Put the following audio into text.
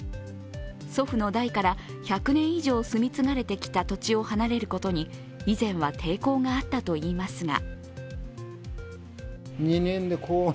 祖父の代から１００年以上住み継がれてきた土地を離れることに以前は抵抗があったといいますが。